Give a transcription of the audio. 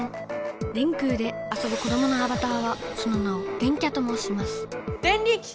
電空で遊ぶ子どものアバターはその名を「電キャ」ともうしますデンリキ！